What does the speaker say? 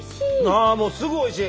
ああもうすぐおいしい。